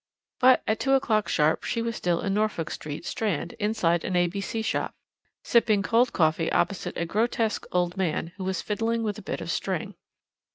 But at two o'clock sharp she was still in Norfolk Street, Strand, inside an A.B.C. shop, sipping cold coffee opposite a grotesque old man who was fiddling with a bit of string.